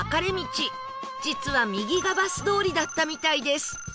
実は右がバス通りだったみたいです